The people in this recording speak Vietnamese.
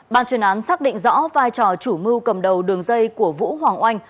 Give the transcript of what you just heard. ban chuyên án xác định rõ vai trò chủ mưu cầm đầu đường dây của vũ hoàng oanh